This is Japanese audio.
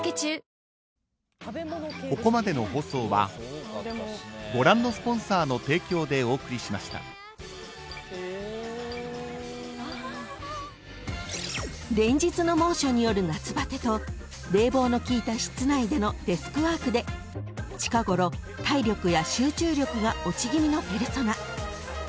いいじゃないだって［連日の猛暑による夏バテと冷房の効いた室内でのデスクワークで近ごろ体力や集中力が落ち気味のペルソナ］